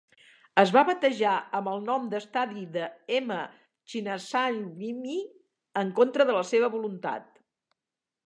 Es va batejar amb el nom d'estadi M. Chinnaswamy en contra de la seva voluntat.